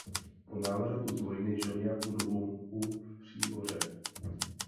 Po návratu z vojny žil nějakou dobu u v Příboře.